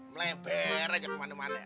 meleber aja kemana mana ya